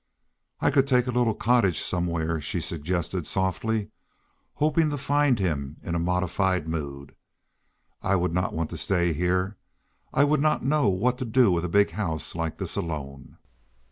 "I could take a little cottage somewhere," she suggested softly, hoping to find him in a modified mood. "I would not want to stay here. I would not know what to do with a big house like this alone."